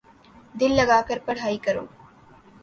دل لگا کر پڑھائی کرو